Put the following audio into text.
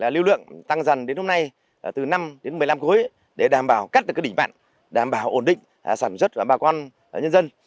lưu lượng tăng dần đến hôm nay từ năm đến một mươi năm khối để đảm bảo cắt đỉnh mặn đảm bảo ổn định sản xuất của bà con nhân dân